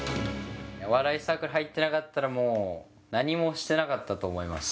お笑いサークルに入ってなかったら、もう何もしてなかったと思います。